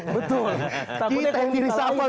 betul kita yang di reshuffle